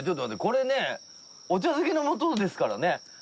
これねお茶漬けの素ですからね味付け。